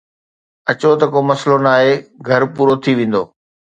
اچو ته ڪو مسئلو ناهي، گهر پورو ٿي ويندو